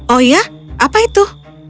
oh ya apa itu